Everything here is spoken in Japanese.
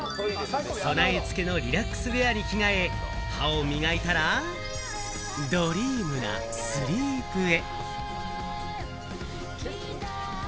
備え付けのリラックスウエアに着替え、歯を磨いたら、ドリームなスリープへ。